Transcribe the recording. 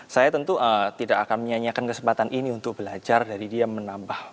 saya tentu tidak akan menyanyikan kesempatan ini untuk belajar dari dia menambah